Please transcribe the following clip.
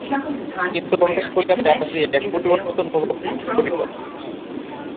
কিন্তু রমেশ কলিকাতায় আসিতেই একটা পরিবর্তন অনুভব করিল।